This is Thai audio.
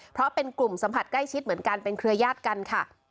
เพราะเป็นกลุ่มสัมผัสใกล้ชิดเหมือนกันเป็นเครือญาติกันค่ะ